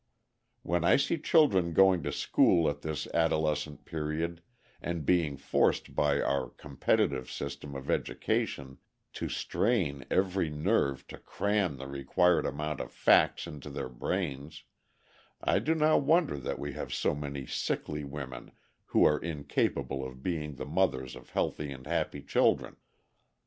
When I see children going to school at this adolescent period, and being forced by our competitive system of education to strain every nerve to cram the required amount of facts into their brains, I do not wonder that we have so many sickly women who are incapable of being the mothers of healthy and happy children.